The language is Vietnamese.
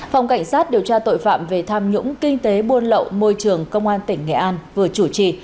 phòng cảnh sát điều tra tội phạm về tham nhũng kinh tế buôn lậu môi trường công an tỉnh nghệ an vừa chủ trì